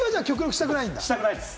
したくないんです。